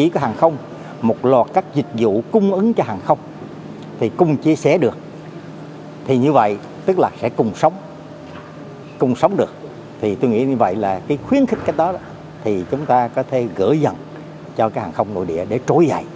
cho các hàng không nội địa để trối dậy